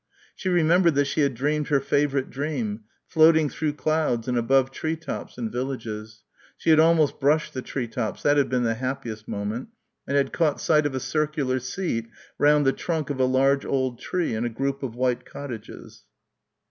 She remembered that she had dreamed her favourite dream floating through clouds and above tree tops and villages. She had almost brushed the tree tops, that had been the happiest moment, and had caught sight of a circular seat round the trunk of a large old tree and a group of white cottages.